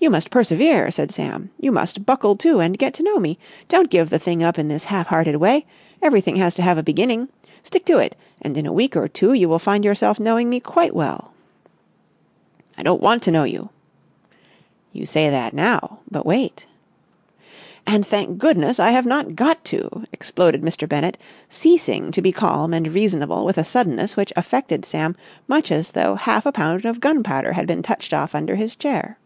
"You must persevere," said Sam. "You must buckle to and get to know me. Don't give the thing up in this half hearted way. Everything has to have a beginning. Stick to it, and in a week or two you will find yourself knowing me quite well." "I don't want to know you!" "You say that now, but wait!" "And thank goodness I have not got to!" exploded Mr. Bennett, ceasing to be calm and reasonable with a suddenness which affected Sam much as though half a pound of gunpowder had been touched off under his chair.